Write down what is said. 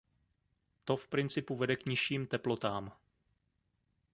To v principu vede k nižším teplotám.